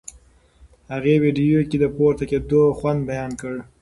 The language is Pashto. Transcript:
هغې ویډیو کې د پورته کېدو خوند بیان کړ.